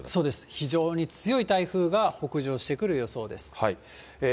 非常に強い台風が、北上してくる予想です。